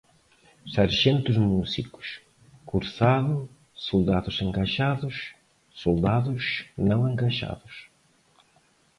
Sargentos músicos, cursado, soldados engajados, soldados não engajados